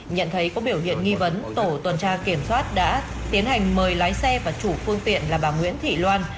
nhận thấy có biểu hiện nghi vấn tổ tuần tra kiểm soát đã tiến hành mời lái xe và chủ phương tiện là bà nguyễn thị loan